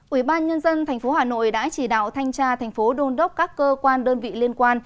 ủy ban nhân dân tp hà nội đã chỉ đạo thanh tra thành phố đôn đốc các cơ quan đơn vị liên quan